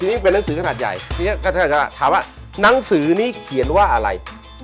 อันนี้เป็นหนังสือขนาดใหญ่ถามว่าหนังสือนี้เขียนว่าอะไร